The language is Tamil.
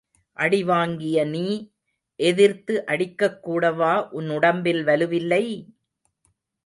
அடி வாங்கிய நீ, எதிர்த்து அடிக்கக்கூடவா உன் உடம்பில் வலுவில்லை!